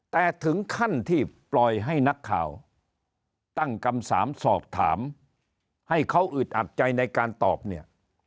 แต่ถึงขั้นที่ปล่อยให้นักข่าวตั้งคำถามสอบถามให้เขาอึดอัดใจในการตอบเนี่ย